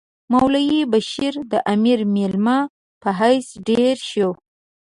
مولوی بشیر د امیر مېلمه په حیث دېره شو.